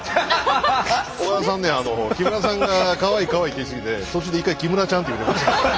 岡田さん「木村さんがかわいいかわいい」って言い過ぎて途中で１回「木村ちゃん」って言うてました。